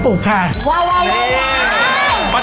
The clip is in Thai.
พี่หมวยถึงได้ใจอ่อนมั้งค่ะ